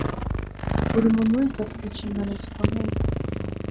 buri muntu wese afite inshingano zikomeye